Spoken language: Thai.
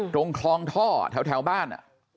ตรงคลองท่อแถวบ้าน